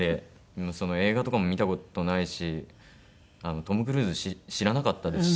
映画とかも見た事ないしトム・クルーズ知らなかったですし。